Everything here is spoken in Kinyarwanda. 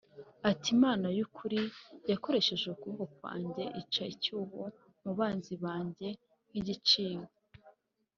ati Imana y ukuri yakoresheje ukuboko kwanjye ica icyuho mu banzi banjye nk igiciwe